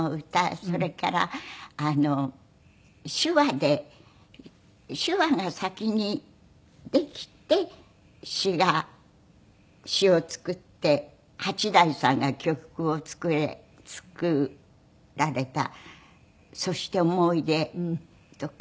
それから手話で手話が先にできて詞が詞を作って八大さんが曲を作られた『そして想い出』とか。